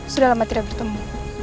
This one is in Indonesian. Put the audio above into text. sudah lama tidak bertemu